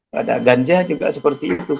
pada ganja juga seperti itu